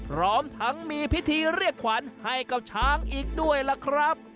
พร้อมทั้งมีพิธีเรียกขวัญให้กับช้างอีกด้วยล่ะครับ